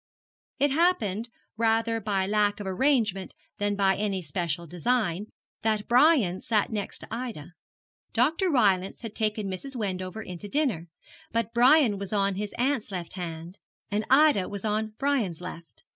It happened, rather by lack of arrangement than by any special design, that Brian sat next to Ida. Dr. Rylance had taken Mrs. Wendover in to dinner, but Brian was on his aunt's left hand, and Ida was on Brian's left.